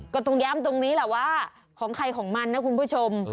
ก็ต้องย้ำตรงนี้แหละว่าของใครของมันนะคุณผู้ชม